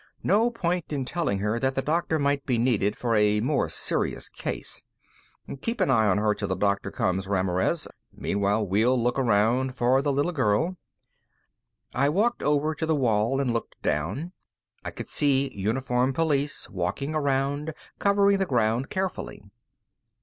No point in telling her that the doctor might be needed for a more serious case. "Keep an eye on her till the doctor comes, Ramirez. Meanwhile, we'll look around for the little girl." I walked over to the wall and looked down. I could see uniformed police walking around, covering the ground carefully.